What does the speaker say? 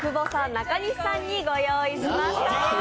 中西さんにご用意しました。